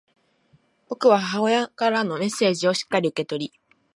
僕は母親からのメッセージをしっかりと受け取り、